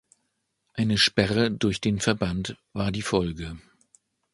Eine Sperre durch den Verband war die Folge.